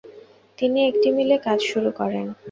তিনি একটি মিলে কাজ শুরু করেন।